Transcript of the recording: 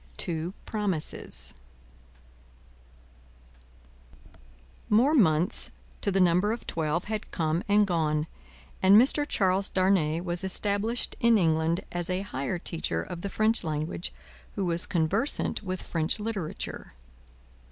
Two Promises More months, to the number of twelve, had come and gone, and Mr. Charles Darnay was established in England as a higher teacher of the French language who was conversant with French literature.